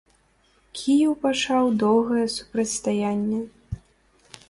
Кіеў пачаў доўгае супрацьстаянне.